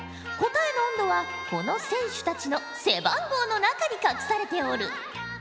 答えの温度はこの選手たちの背番号の中に隠されておる。